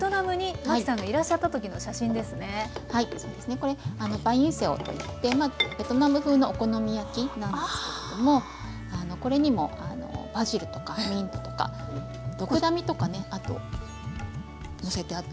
これバインセオといってベトナム風のお好み焼きなんですけれどもこれにもバジルとかミントとかドクダミとかねのせてあったりとか。